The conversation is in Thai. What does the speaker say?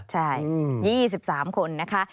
ใช่๒๓คนนะคะ